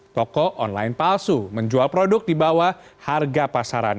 toko online palsu menjual produk di bawah harga pasaran